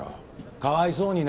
かわいそうにな。